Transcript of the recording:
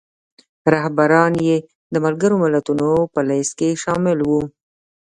رهبران یې د ملګرو ملتونو په لیست کې شامل وو.